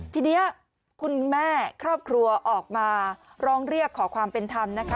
ทีนี้คุณแม่ครอบครัวออกมาร้องเรียกขอความเป็นธรรมนะคะ